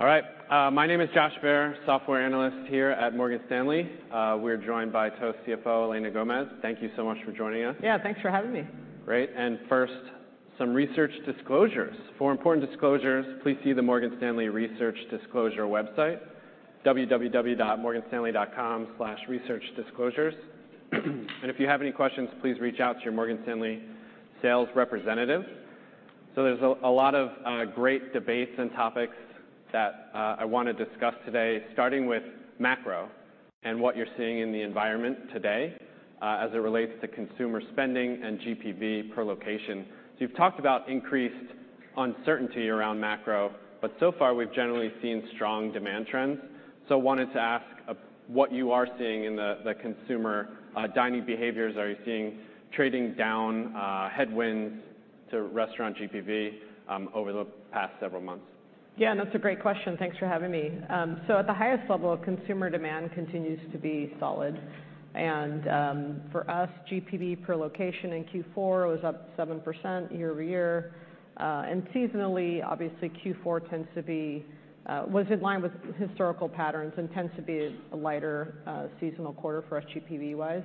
All right, my name is Josh Baer, software analyst here at Morgan Stanley. We're joined by Toast CFO, Elena Gomez. Thank you so much for joining us. Yeah, thanks for having me. Great. First, some research disclosures. For important disclosures, please see the Morgan Stanley Research Disclosure website, www.morganstanley.com/researchdisclosures. If you have any questions, please reach out to your Morgan Stanley sales representative. There's a lot of great debates and topics that I wanna discuss today, starting with macro and what you're seeing in the environment today, as it relates to consumer spending and GPV per location. You've talked about increased uncertainty around macro, but so far we've generally seen strong demand trends. Wanted to ask what you are seeing in the consumer dining behaviors. Are you seeing trading down, headwinds to restaurant GPV, over the past several months? Yeah, that's a great question. Thanks for having me. At the highest level, consumer demand continues to be solid. For us, GPV per location in Q4 was up 7% year-over-year. Seasonally, obviously Q4 was in line with historical patterns and tends to be a lighter seasonal quarter for us GPV-wise.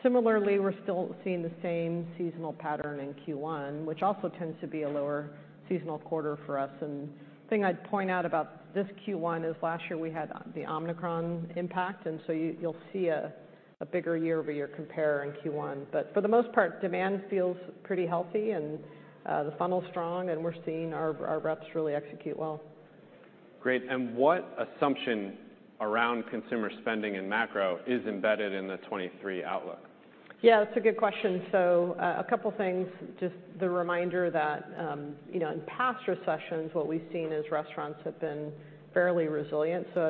Similarly, we're still seeing the same seasonal pattern in Q1, which also tends to be a lower seasonal quarter for us. The thing I'd point out about this Q1 is last year we had the Omicron impact, you'll see a bigger year-over-year compare in Q1. For the most part, demand feels pretty healthy, and the funnel's strong, and we're seeing our reps really execute well. Great. What assumption around consumer spending and macro is embedded in the 2023 outlook? Yeah, that's a good question. A couple things. Just the reminder that, you know, in past recessions, what we've seen is restaurants have been fairly resilient. We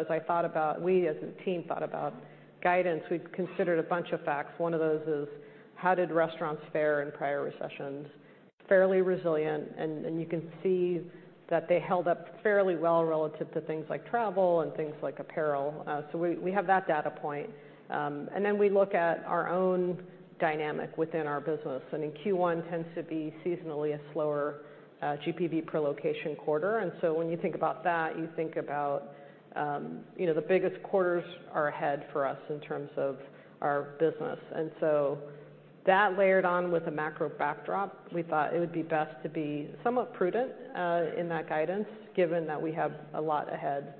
as a team thought about guidance, we've considered a bunch of facts. One of those is: How did restaurants fare in prior recessions? Fairly resilient, and you can see that they held up fairly well relative to things like travel and things like apparel. We have that data point. We look at our own dynamic within our business. In Q1 tends to be seasonally a slower GPV per location quarter. When you think about that, you think about, you know, the biggest quarters are ahead for us in terms of our business. That layered on with a macro backdrop, we thought it would be best to be somewhat prudent in that guidance, given that we have a lot ahead.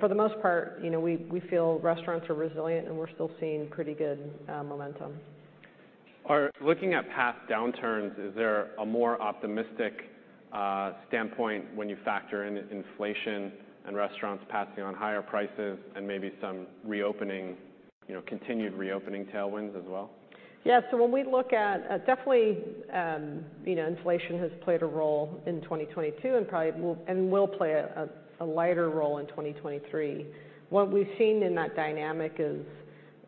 For the most part, you know, we feel restaurants are resilient, and we're still seeing pretty good momentum. Looking at past downturns, is there a more optimistic standpoint when you factor in inflation and restaurants passing on higher prices and maybe some reopening, you know, continued reopening tailwinds as well? When we look at, Definitely, you know, inflation has played a role in 2022 and probably will, and will play a lighter role in 2023. What we've seen in that dynamic is,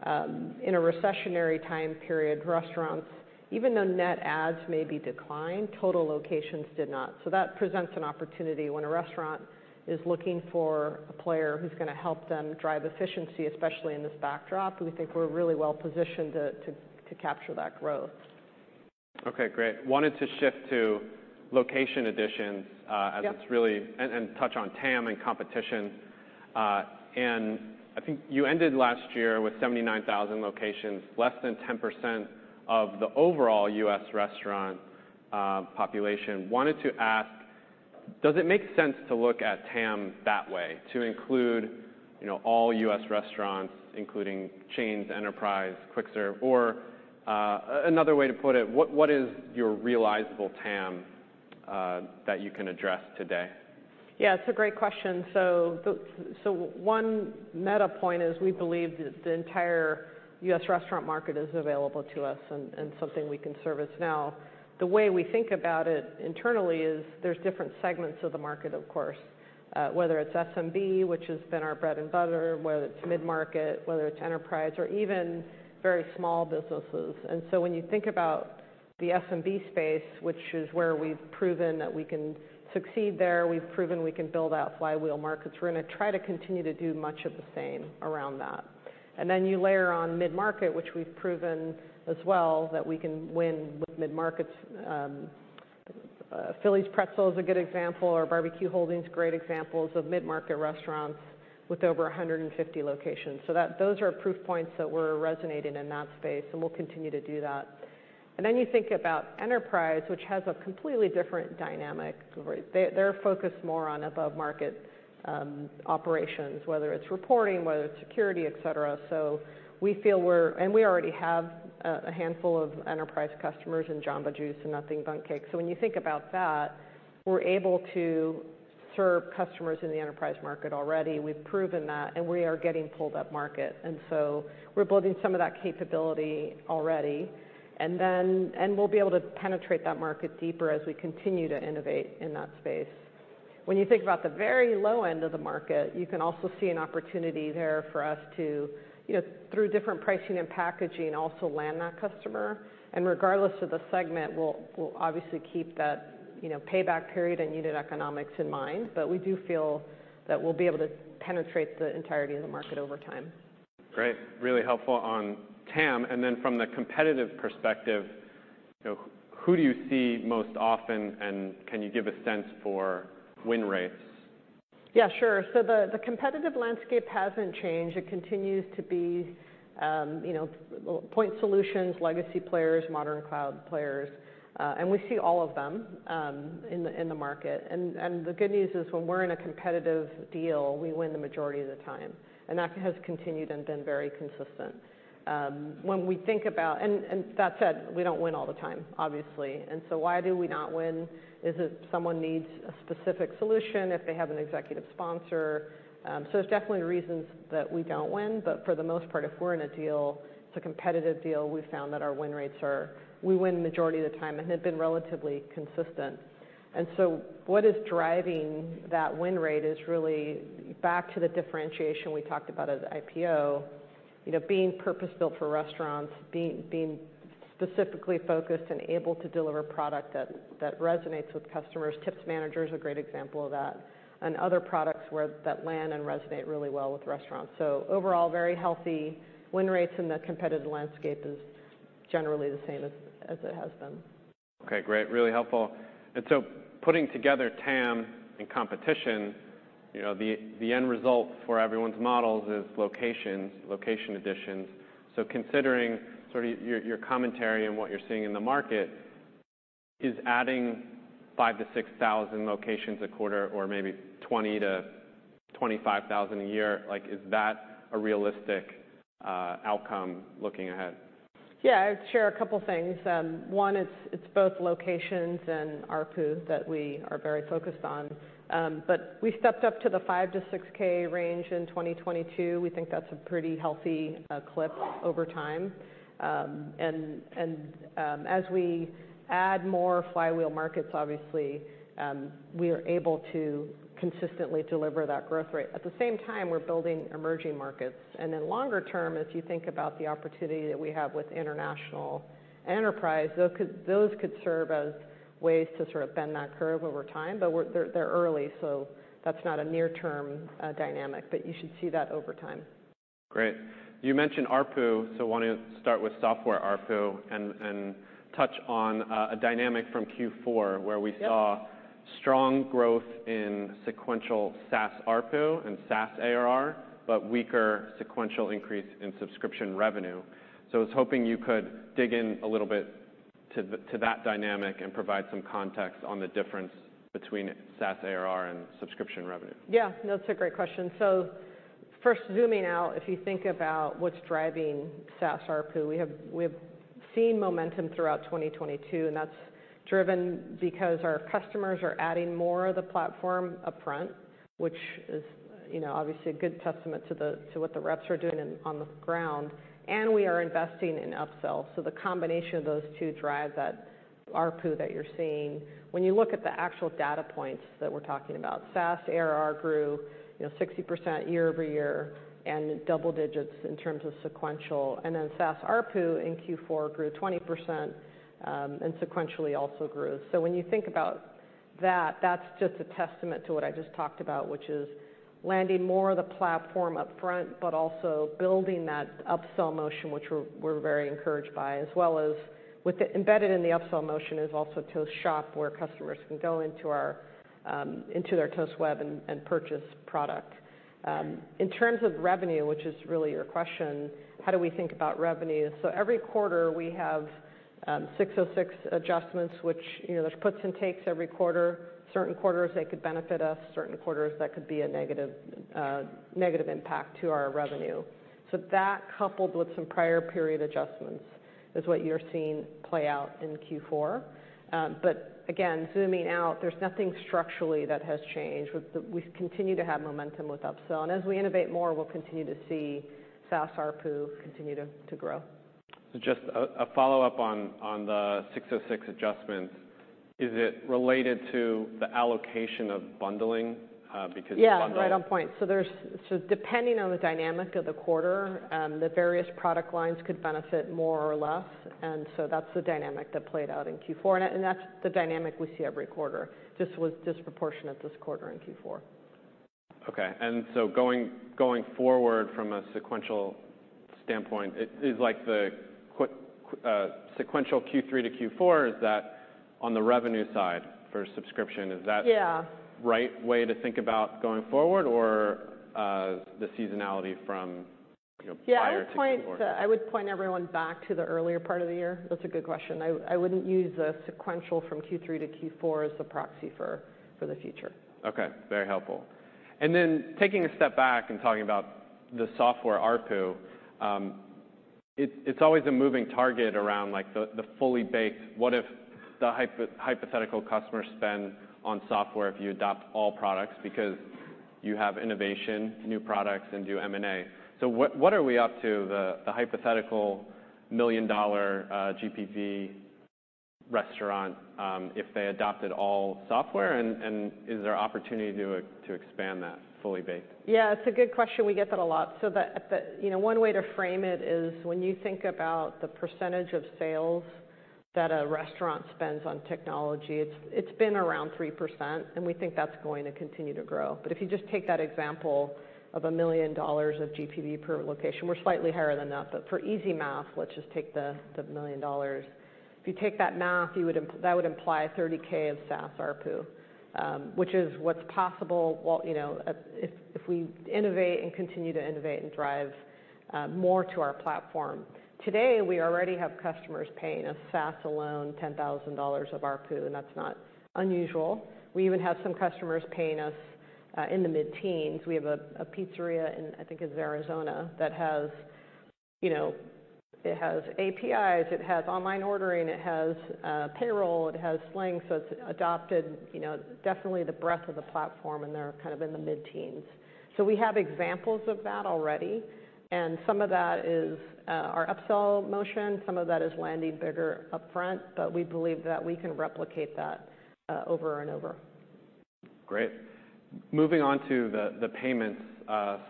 in a recessionary time period, restaurants, even though net adds may be declined, total locations did not. That presents an opportunity. When a restaurant is looking for a player who's gonna help them drive efficiency, especially in this backdrop, we think we're really well positioned to capture that growth. Okay, great. Wanted to shift to location additions. Yeah as it's really touch on TAM and competition. I think you ended last year with 79,000 locations, less than 10% of the overall U.S. restaurant population. Wanted to ask, does it make sense to look at TAM that way to include, you know, all U.S. restaurants, including chains, enterprise, quick serve? another way to put it, what is your realizable TAM that you can address today? It's a great question. One meta point is we believe that the entire U.S. restaurant market is available to us and something we can service now. The way we think about it internally is there's different segments of the market, of course, whether it's SMB, which has been our bread and butter, whether it's mid-market, whether it's enterprise or even very small businesses. When you think about the SMB space, which is where we've proven that we can succeed there, we've proven we can build out flywheel markets, we're gonna try to continue to do much of the same around that. Then you layer on mid-market, which we've proven as well that we can win with mid-markets. Philly's Pretzels is a good example, or BBQ Holdings, great examples of mid-market restaurants with over 150 locations. Those are proof points that we're resonating in that space, and we'll continue to do that. You think about enterprise, which has a completely different dynamic. They're, they're focused more on above-market operations, whether it's reporting, whether it's security, et cetera. We feel we already have a handful of enterprise customers in Jamba Juice and Nothing Bundt Cakes. When you think about that, we're able to serve customers in the enterprise market already. We've proven that, and we are getting pulled up-market. We're building some of that capability already. We'll be able to penetrate that market deeper as we continue to innovate in that space. When you think about the very low end of the market, you can also see an opportunity there for us to, you know, through different pricing and packaging, also land that customer. Regardless of the segment, we'll obviously keep that, you know, payback period and unit economics in mind. We do feel that we'll be able to penetrate the entirety of the market over time. Great. Really helpful on TAM. From the competitive perspective, who do you see most often, and can you give a sense for win rates? Yeah, sure. The competitive landscape hasn't changed. It continues to be, you know, point solutions, legacy players, modern cloud players, and we see all of them in the market. The good news is when we're in a competitive deal, we win the majority of the time, and that has continued and been very consistent. That said, we don't win all the time, obviously. Why do we not win? Is it someone needs a specific solution if they have an executive sponsor? There's definitely reasons that we don't win, but for the most part, if we're in a deal, it's a competitive deal, we've found that our win rates are, we win majority of the time and have been relatively consistent. What is driving that win rate is really back to the differentiation we talked about at IPO, you know, being purpose-built for restaurants, being specifically focused and able to deliver product that resonates with customers. Tips Manager is a great example of that, and other products that land and resonate really well with restaurants. Overall, very healthy win rates in the competitive landscape is generally the same as it has been. Okay, great. Really helpful. Putting together TAM and competition, you know, the end result for everyone's models is locations, location additions. Considering sort of your commentary and what you're seeing in the market, is adding 5,000 locations-6,000 locations a quarter or maybe 20,000 locations-25,000 locations a year, like, is that a realistic outcome looking ahead? Yeah. I'd share a couple things. One, it's both locations and ARPU that we are very focused on. We stepped up to the 5K-6K range in 2022. We think that's a pretty healthy clip over time. As we add more flywheel markets, obviously, we are able to consistently deliver that growth rate. At the same time, we're building emerging markets. Longer term, as you think about the opportunity that we have with international enterprise, those could serve as ways to sort of bend that curve over time, but they're early, so that's not a near-term dynamic, but you should see that over time. Great. You mentioned ARPU. Why don't you start with software ARPU and touch on a dynamic from Q4 where we saw. Yep. strong growth in sequential SaaS ARPU and SaaS ARR, but weaker sequential increase in subscription revenue. I was hoping you could dig in a little bit to the, to that dynamic and provide some context on the difference between SaaS ARR and subscription revenue. Yeah. No, it's a great question. First zooming out, if you think about what's driving SaaS ARPU, we have seen momentum throughout 2022, and that's driven because our customers are adding more of the platform upfront, which is, you know, obviously a good testament to what the reps are doing on the ground, and we are investing in upsell. The combination of those two drive that ARPU that you're seeing. When you look at the actual data points that we're talking about, SaaS ARR grew, you know, 60% year-over-year and double digits in terms of sequential. SaaS ARPU in Q4 grew 20%, and sequentially also grew. When you think about that's just a testament to what I just talked about, which is landing more of the platform upfront, but also building that upsell motion, which we're very encouraged by, as well as with the. Embedded in the upsell motion is also Toast Shop, where customers can go into our into their Toast Web and purchase product. In terms of revenue, which is really your question, how do we think about revenue? Every quarter, we have ASC 606 adjustments, which, you know, there's puts and takes every quarter. Certain quarters, they could benefit us, certain quarters that could be a negative impact to our revenue. That coupled with some prior period adjustments is what you're seeing play out in Q4. Again, zooming out, there's nothing structurally that has changed. We continue to have momentum with upsell. As we innovate more, we'll continue to see SaaS ARPU continue to grow. Just a follow-up on the ASC 606 adjustments. Is it related to the allocation of bundling? Yeah. Right on point. Depending on the dynamic of the quarter, the various product lines could benefit more or less. That's the dynamic that played out in Q4, and that's the dynamic we see every quarter. Was disproportionate this quarter in Q4. Okay. going forward from a sequential standpoint, is like sequential Q3-Q4, is that on the revenue side for subscription? Yeah. Right way to think about going forward or, the seasonality from, you know, prior to Q4? Yeah. I would point everyone back to the earlier part of the year. That's a good question. I wouldn't use a sequential from Q3-Q4 as the proxy for the future. Okay. Very helpful. Taking a step back and talking about the software ARPU, it's always a moving target around, like, the fully baked what if the hypothetical customer spend on software if you adopt all products because you have innovation, new products, and do M&A. What are we up to the hypothetical $1 million, GPV restaurant, if they adopted all software? Is there opportunity to expand that fully baked? Yeah, it's a good question. We get that a lot. The, you know, one way to frame it is when you think about the percentage of sales that a restaurant spends on technology. It's been around 3%, and we think that's going to continue to grow. If you just take that example of $1 million of GPV per location, we're slightly higher than that. For easy math, let's just take the $1 million. If you take that math, that would imply $30K of SaaS ARPU, which is what's possible. Well, you know, if we innovate and continue to innovate and drive more to our platform. Today, we already have customers paying us SaaS alone, $10,000 of ARPU, and that's not unusual. We even have some customers paying us in the mid-teens. We have a pizzeria in, I think it's Arizona, that has, you know, it has APIs, it has online ordering, it has payroll, it has Sling. It's adopted, you know, definitely the breadth of the platform, and they're kind of in the mid-teens. We have examples of that already, and some of that is our upsell motion, some of that is landing bigger upfront, but we believe that we can replicate that over and over. Great. Moving on to the payments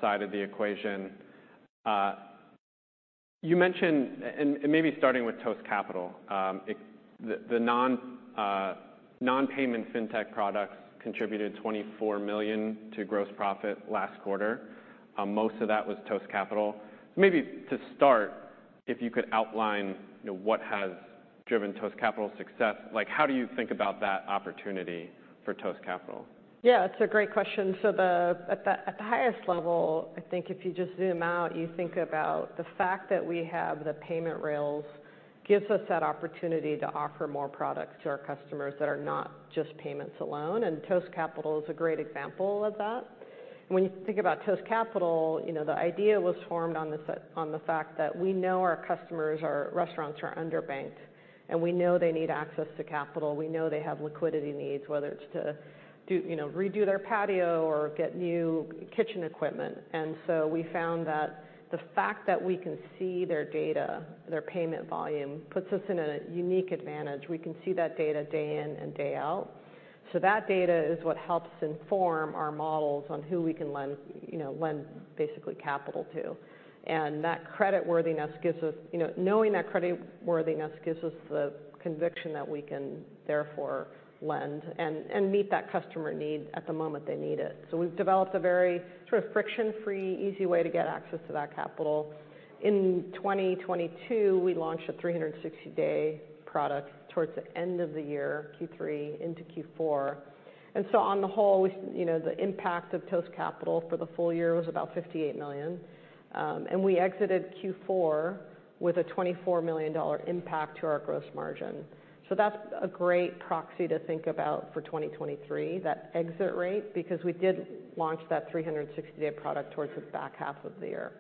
side of the equation. You mentioned, and maybe starting with Toast Capital. The non-payment fintech products contributed $24 million to gross profit last quarter. Most of that was Toast Capital. Maybe to start, if you could outline, you know, what has driven Toast Capital's success. Like, how do you think about that opportunity for Toast Capital? Yeah, it's a great question. At the, at the highest level, I think if you just zoom out, you think about the fact that we have the payment rails gives us that opportunity to offer more products to our customers that are not just payments alone. Toast Capital is a great example of that. When you think about Toast Capital, you know, the idea was formed on the fact that we know our customers, our restaurants are underbanked, and we know they need access to capital. We know they have liquidity needs, whether it's to do, you know, redo their patio or get new kitchen equipment. We found that the fact that we can see their data, their payment volume, puts us in a unique advantage. We can see that data day in and day out. That data is what helps inform our models on who we can lend, you know, lend basically capital to. That creditworthiness gives us, you know, knowing that creditworthiness gives us the conviction that we can therefore lend and meet that customer need at the moment they need it. We've developed a very sort of friction-free, easy way to get access to that capital. In 2022, we launched a 360-day product towards the end of the year, Q3 into Q4. On the whole, we, you know, the impact of Toast Capital for the full year was about $58 million. And we exited Q4 with a $24 million impact to our gross margin. That's a great proxy to think about for 2023, that exit rate, because we did launch that 360-day product towards the back half of the year.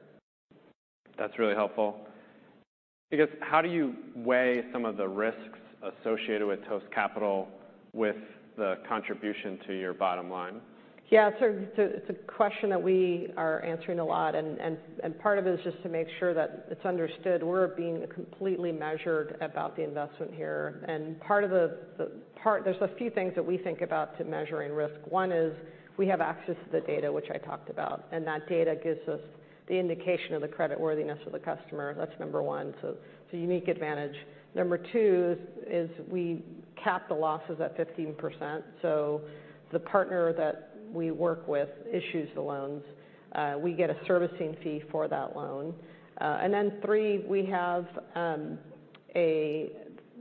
That's really helpful. I guess, how do you weigh some of the risks associated with Toast Capital with the contribution to your bottom line? Yeah. It's a question that we are answering a lot, and part of it is just to make sure that it's understood, we're being completely measured about the investment here. Part of the, there's a few things that we think about to measuring risk. One is we have access to the data, which I talked about, and that data gives us the indication of the creditworthiness of the customer. That's number one. It's a unique advantage. Number two is we cap the losses at 15%. The partner that we work with issues the loans. We get a servicing fee for that loan. Three, we have a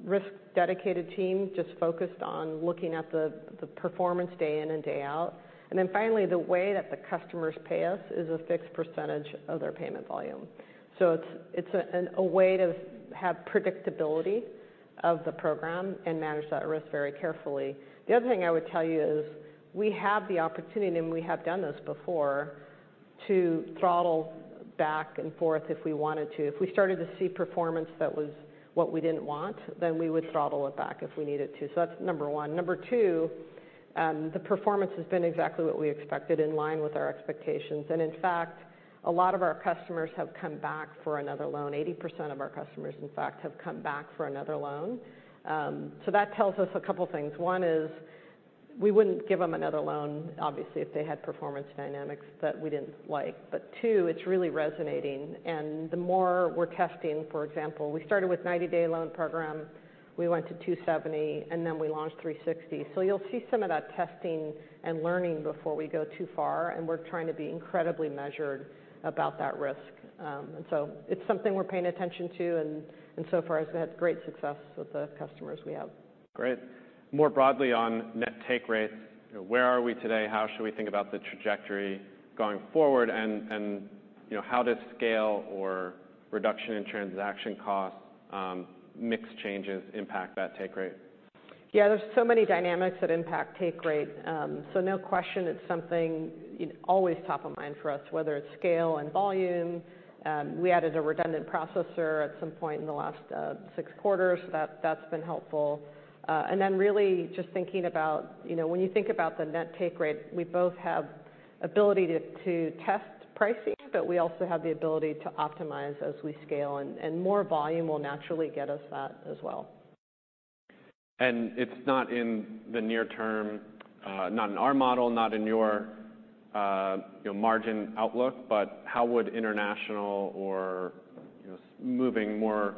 risk dedicated team just focused on looking at the performance day in and day out. Finally, the way that the customers pay us is a fixed percentage of their payment volume. It's a way to have predictability of the program and manage that risk very carefully. The other thing I would tell you is we have the opportunity, and we have done this before, to throttle back and forth if we wanted to. If we started to see performance that was what we didn't want, then we would throttle it back if we needed to. That's number one. Number two, the performance has been exactly what we expected in line with our expectations. In fact, a lot of our customers have come back for another loan. 80% of our customers, in fact, have come back for another loan. That tells us a couple things. One is we wouldn't give them another loan, obviously, if they had performance dynamics that we didn't like. Two, it's really resonating. The more we're testing, for example, we started with 90-day loan program, we went to 270-day, and then we launched 360-day. You'll see some of that testing and learning before we go too far, and we're trying to be incredibly measured about that risk. It's something we're paying attention to, and so far it's had great success with the customers we have. Great. More broadly on net take rates, you know, where are we today? How should we think about the trajectory going forward? You know, how does scale or reduction in transaction costs, mix changes impact that take rate? Yeah. There's so many dynamics that impact take rate. No question, it's something, you know, always top of mind for us, whether it's scale and volume. We added a redundant processor at some point in the last, 6 quarters. That's been helpful. Then really just thinking about, you know, when you think about the net take rate, we both have ability to test pricing, but we also have the ability to optimize as we scale, and more volume will naturally get us that as well. It's not in the near term, not in our model, not in your, you know, margin outlook, but how would international or, you know, moving more,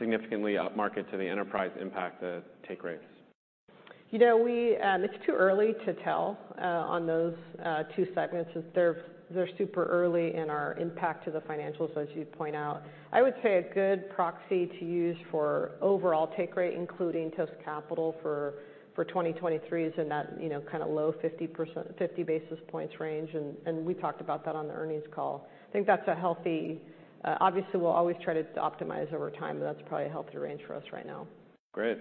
significantly upmarket to the enterprise impact the take rates? You know, we, it's too early to tell on those, two segments. They're super early in our impact to the financials, as you'd point out. I would say a good proxy to use for overall take rate, including Toast Capital for 2023 is in that, you know, kinda low 50 basis points range, and we talked about that on the earnings call. I think that's a healthy, obviously we'll always try to optimize over time, but that's probably a healthy range for us right now. Great.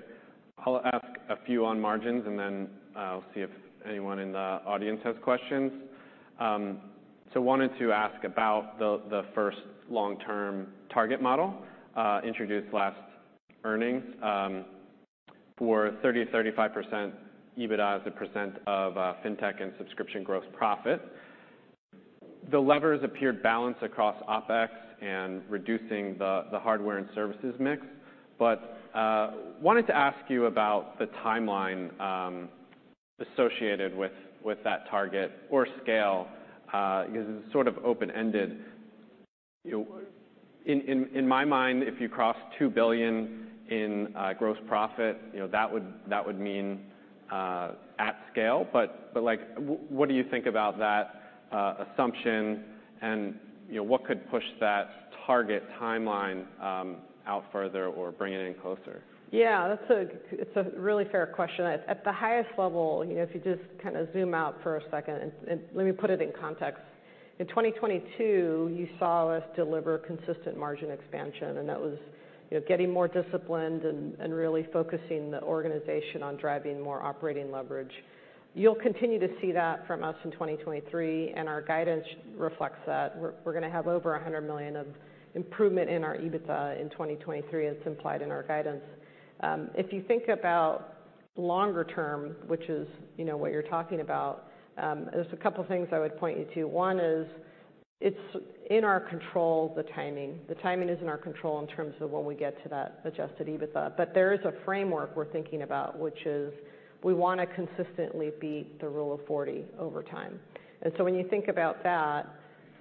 I'll ask a few on margins, and then I'll see if anyone in the audience has questions. Wanted to ask about the first long-term target model introduced last earnings for 30%-35% EBITDA as a percent of fintech and subscription gross profit. The levers appeared balanced across OPEX and reducing the hardware and services mix. Wanted to ask you about the timeline associated with that target or scale because it's sort of open-ended. You know, in my mind, if you cross $2 billion in gross profit, you know, that would mean at scale. Like, what do you think about that assumption and, you know, what could push that target timeline out further or bring it in closer? Yeah. That's a, it's a really fair question. At the highest level, you know, if you just kinda zoom out for a second and let me put it in context. In 2022, you saw us deliver consistent margin expansion, and that was, you know, getting more disciplined and really focusing the organization on driving more operating leverage. You'll continue to see that from us in 2023, and our guidance reflects that. We're gonna have over $100 million of improvement in our EBITDA in 2023, as implied in our guidance. If you think about longer term, which is, you know, what you're talking about, there's a couple things I would point you to. One is it's in our control the timing. The timing is in our control in terms of when we get to that adjusted EBITDA. There is a framework we're thinking about, which is we wanna consistently beat the Rule of 40 over time. When you think about that,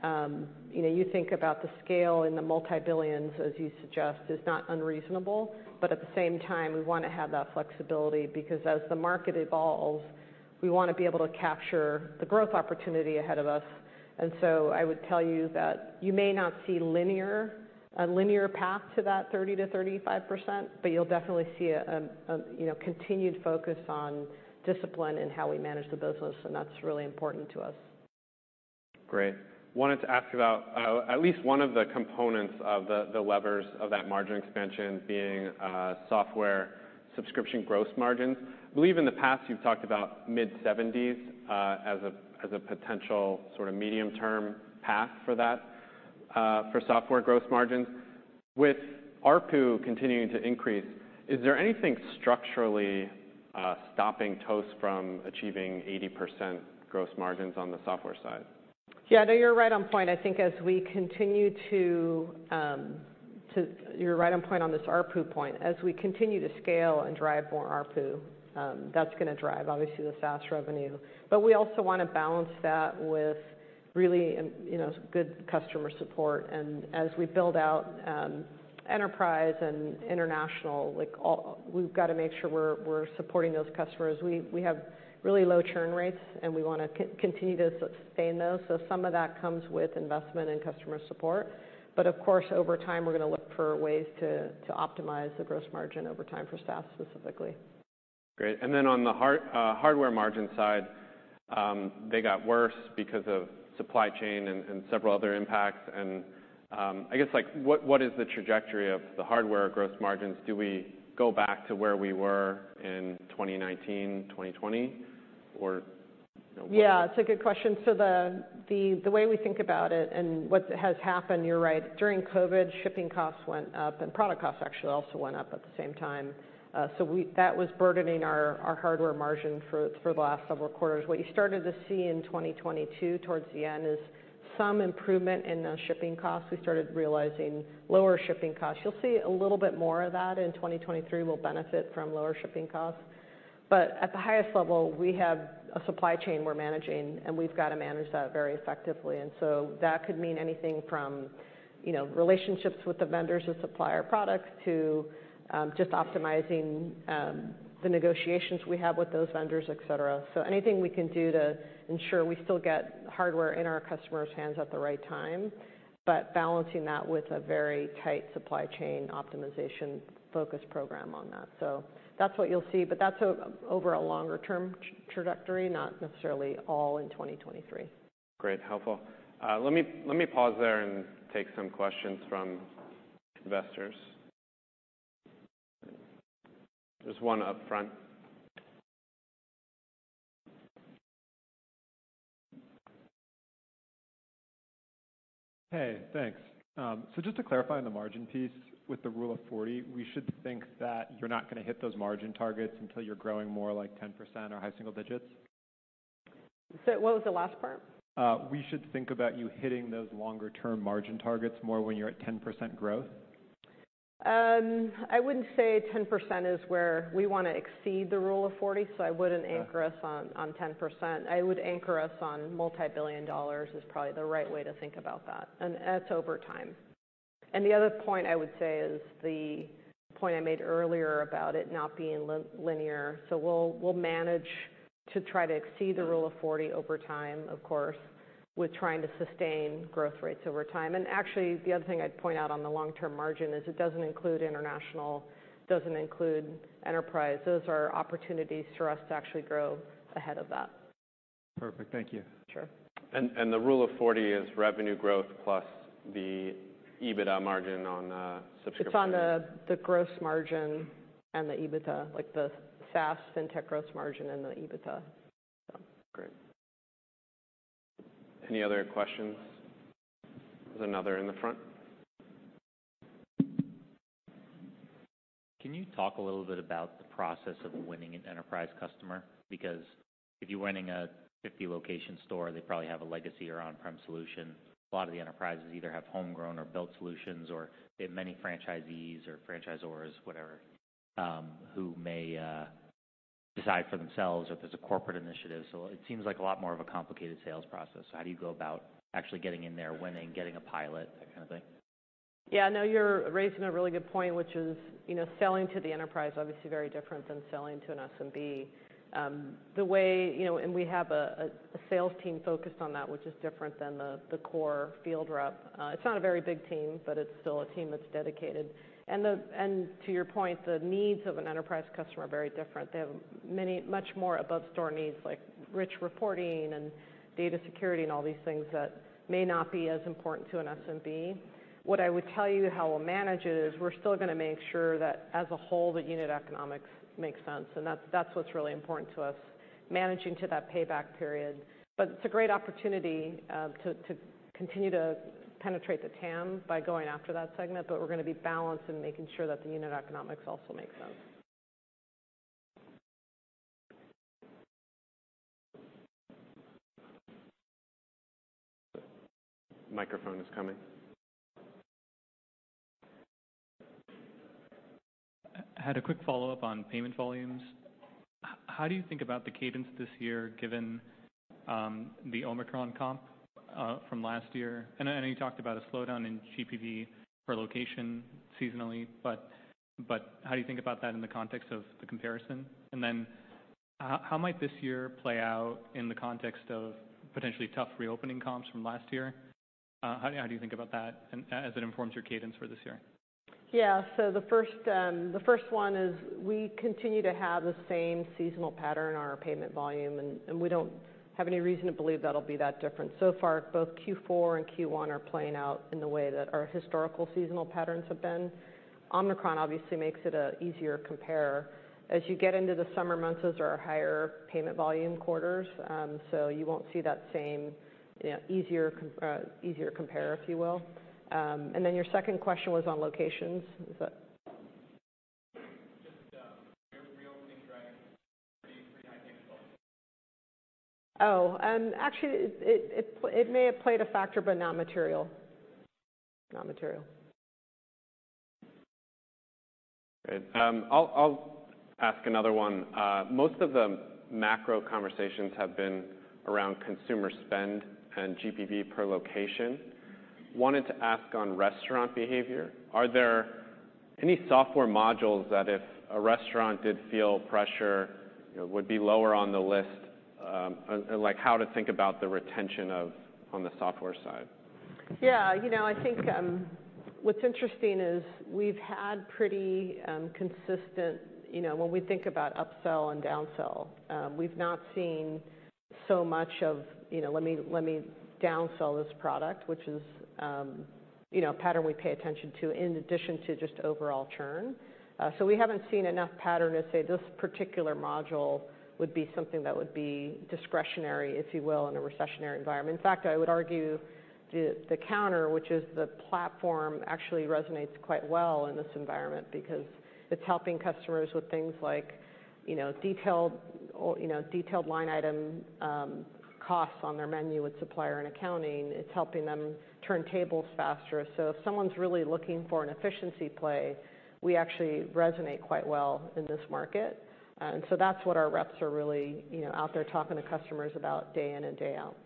you know, you think about the scale in the multi-billions, as you suggest, is not unreasonable. At the same time, we wanna have that flexibility because as the market evolves, we wanna be able to capture the growth opportunity ahead of us. I would tell you that you may not see linear, a linear path to that 30%-35%, but you'll definitely see a, you know, continued focus on discipline and how we manage the business, and that's really important to us. Great. Wanted to ask about at least one of the components of the levers of that margin expansion being software subscription gross margins. Believe in the past you've talked about mid-70s as a, as a potential sort of medium-term path for that for software gross margins. With ARPU continuing to increase, is there anything structurally stopping Toast from achieving 80% gross margins on the software side? Yeah. No, you're right on point. I think as we continue, you're right on point on this ARPU point. As we continue to scale and drive more ARPU, that's gonna drive obviously the SaaS revenue. We also wanna balance that with really, you know, good customer support. As we build out enterprise and international, like we've gotta make sure we're supporting those customers. We have really low churn rates, and we wanna continue to sustain those, so some of that comes with investment and customer support. Of course, over time, we're gonna look for ways to optimize the gross margin over time for SaaS specifically. Great. On the hardware margin side, they got worse because of supply chain and several other impacts. I guess, like, what is the trajectory of the hardware gross margins? Do we go back to where we were in 2019, 2020? Or, you know? Yeah. It's a good question. The way we think about it and what has happened, you're right. During COVID, shipping costs went up and product costs actually also went up at the same time. That was burdening our hardware margin for the last several quarters. What you started to see in 2022 towards the end is some improvement in the shipping costs. We started realizing lower shipping costs. You'll see a little bit more of that in 2023. We'll benefit from lower shipping costs. At the highest level, we have a supply chain we're managing, and we've got to manage that very effectively. That could mean anything from, you know, relationships with the vendors who supply our products to just optimizing the negotiations we have with those vendors, et cetera. Anything we can do to ensure we still get hardware in our customers' hands at the right time, but balancing that with a very tight supply chain optimization focus program on that. That's what you'll see, but that's over a longer term trajectory, not necessarily all in 2023. Great. Helpful. Let me pause there and take some questions from investors. There's one up front. Hey. Thanks. Just to clarify on the margin piece with the Rule of 40, we should think that you're not gonna hit those margin targets until you're growing more like 10% or high single digits? What was the last part? We should think about you hitting those longer term margin targets more when you're at 10% growth? I wouldn't say 10% is where we wanna exceed the Rule of 40, so I wouldn't anchor us on 10%. I would anchor us on multi-billion dollars is probably the right way to think about that. That's over time. The other point I would say is the point I made earlier about it not being linear. We'll manage to try to exceed the Rule of 40 over time, of course, with trying to sustain growth rates over time. Actually, the other thing I'd point out on the long-term margin is it doesn't include international, doesn't include enterprise. Those are opportunities for us to actually grow ahead of that. Perfect. Thank you. Sure. The Rule of 40 is revenue growth+ the EBITDA margin on. It's on the gross margin and the EBITDA, like the SaaS, fintech gross margin, and the EBITDA. Great. Any other questions? There's another in the front. Can you talk a little bit about the process of winning an enterprise customer? If you're winning a 50-location store, they probably have a legacy or on-prem solution. A lot of the enterprises either have homegrown or built solutions, or they have many franchisees or franchisors, whatever, who may decide for themselves if it's a corporate initiative. It seems like a lot more of a complicated sales process. How do you go about actually getting in there, winning, getting a pilot, that kind of thing? Yeah, no, you're raising a really good point, which is, you know, selling to the enterprise, obviously very different than selling to an SMB. The way, you know. We have a sales team focused on that, which is different than the core field rep. It's not a very big team, but it's still a team that's dedicated. To your point, the needs of an enterprise customer are very different. They have much more above store needs, like rich reporting and data security, and all these things that may not be as important to an SMB. What I would tell you how we'll manage it is we're still gonna make sure that as a whole, the unit economics make sense. That's what's really important to us, managing to that payback period. It's a great opportunity, to continue to penetrate the TAM by going after that segment, but we're gonna be balanced in making sure that the unit economics also make sense. Microphone is coming. I had a quick follow-up on payment volumes. How do you think about the cadence this year, given the Omicron comp from last year? I know you talked about a slowdown in GPV per location seasonally, but how do you think about that in the context of the comparison? Then how might this year play out in the context of potentially tough reopening comps from last year? How do you think about that and as it informs your cadence for this year? Yeah. The first, the first one is we continue to have the same seasonal pattern on our payment volume, and we don't have any reason to believe that'll be that different. Far, both Q4 and Q1 are playing out in the way that our historical seasonal patterns have been. Omicron obviously makes it a easier compare. As you get into the summer months, those are our higher payment volume quarters, so you won't see that same, you know, easier compare, if you will. Your second question was on locations. Is that. Just, your reopening drag pretty high. Oh, actually it may have played a factor, but not material. Not material. Great. I'll ask another one. Most of the macro conversations have been around consumer spend and GPV per location. Wanted to ask on restaurant behavior, are there any software modules that if a restaurant did feel pressure, you know, would be lower on the list, like how to think about the retention of on the software side? Yeah. You know, I think, what's interesting is we've had pretty consistent, you know, when we think about upsell and downsell, we've not seen so much of, you know, let me downsell this product, which is, you know, a pattern we pay attention to in addition to just overall churn. We haven't seen enough pattern to say this particular module would be something that would be discretionary, if you will, in a recessionary environment. In fact, I would argue the counter, which is the platform, actually resonates quite well in this environment because it's helping customers with things like, you know, detailed or, you know, detailed line item costs on their menu with supplier and accounting. It's helping them turn tables faster. If someone's really looking for an efficiency play, we actually resonate quite well in this market. That's what our reps are really, you know, out there talking to customers about day in and day out.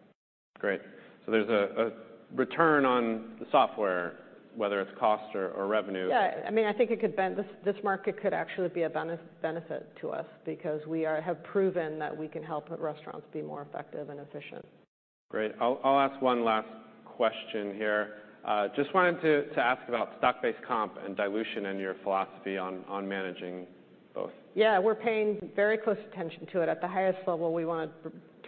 Great. There's a return on the software, whether it's cost or revenue. Yeah. I mean, I think it This market could actually be a benefit to us because we have proven that we can help restaurants be more effective and efficient. Great. I'll ask one last question here. Just wanted to ask about stock-based comp and dilution in your philosophy on managing both. Yeah. We're paying very close attention to it. At the highest level, we wanna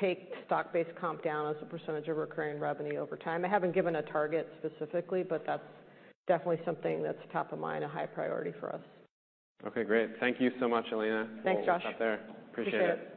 take stock-based comp down as a % of recurring revenue over time. I haven't given a target specifically, but that's definitely something that's top of mind, a high priority for us. Okay, great. Thank you so much, Elena. Thanks, Josh. We'll wrap there. Appreciate it. Appreciate it.